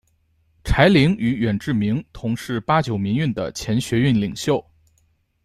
柴玲与远志明同是八九民运的前学运领袖。